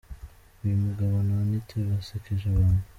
Uyu mugabo na Anita basekeje abantu .